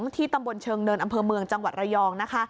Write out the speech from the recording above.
ที่ตำบลเชิงเนินอำเภอเมืองจังหวัดระยองนะคะ